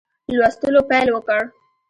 لوستلو پیل وکړ.